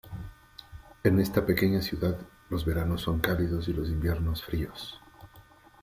En esta pequeña ciudad los veranos son cálidos y los inviernos fríos.